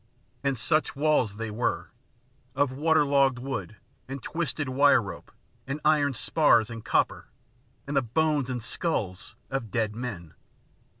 And such walls they were, of water logged wood, and twisted wire rope, and iron spars, and copper, and the bones and skulls of dead men.